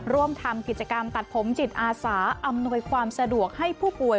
ร่วมทำกิจกรรมตัดผมจิตอาสาอำนวยความสะดวกให้ผู้ป่วย